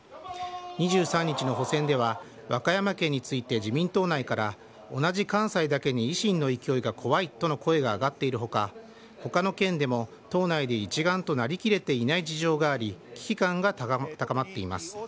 ２３日の補選では、和歌山県について、自民党内から、同じ関西だけに維新の勢いが怖いとの声が上がっているほか、ほかの県でも、党内で一丸となりきれていない事情があり、危機感が高まっています。